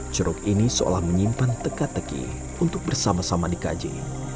ceruk ini seolah menyimpan teka teki untuk bersama sama dikaji